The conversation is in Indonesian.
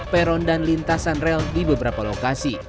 peron dan lintasan rel di beberapa lokasi